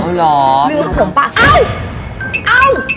อ้าว